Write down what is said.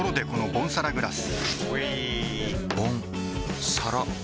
ボンサラグラス！